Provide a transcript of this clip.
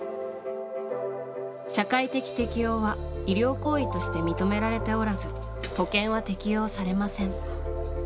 社会的適応は、医療行為として認められておらず保険は適用されません。